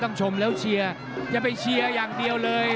ชมแล้วเชียร์อย่าไปเชียร์อย่างเดียวเลย